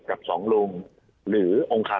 กับสองลุงหรือองค์คา